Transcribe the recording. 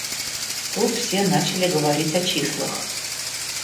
Тут все начали говорить о числах.